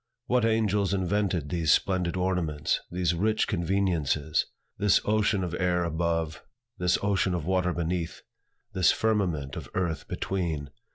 What angels invented these splendid ornaments, these rich conveniences, this ocean of air above, this ocean of water beneath, this firmament of earth between?